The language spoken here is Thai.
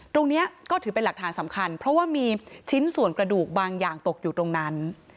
ตรงนี้ก็ถือเป็นหลักฐานสำคัญเพราะว่ามีชิ้นส่วนกระดูกบางอย่างตกอยู่ตรงนั้น